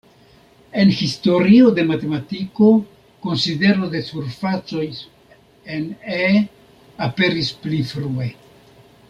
En historio de matematiko konsidero de surfacoj en E" aperis pli frue.